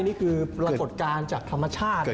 นี่คือปรากฏการณ์จากธรรมชาติ